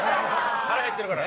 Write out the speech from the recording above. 腹減ってるからね。